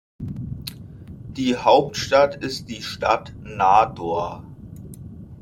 Die Hauptstadt ist die Stadt Nador.